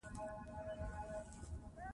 قومونه د افغان ځوانانو لپاره دلچسپي لري.